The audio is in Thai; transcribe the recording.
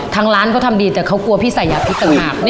ทางร้านเขาทำดีแต่เขากลัวพี่ใส่ยาพริกต่างหาก